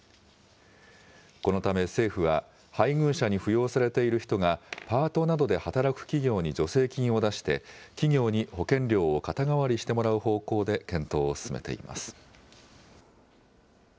このため政府は、配偶者に扶養されている人がパートなどで働く企業に助成金を出して、企業に保険料を肩代わりしてもらう方向で検討を進めています。